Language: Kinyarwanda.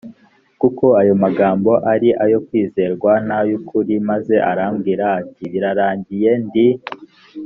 kuko ayo magambo ari ayo kwizerwa n ay ukuri maze arambwira ati birarangiye ndi